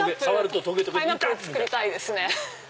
パイナップル作りたいですね。